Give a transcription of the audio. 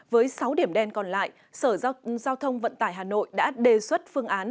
với sáu điểm đen còn lại sở giao thông vận tải hà nội đã đề xuất phương án